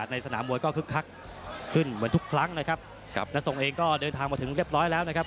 นัททรงเองก็เดินทางมาถึงเรียบร้อยแล้วนะครับ